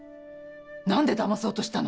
何でだまそうとしたの？